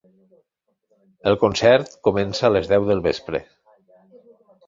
El concert comença a les deu del vespre.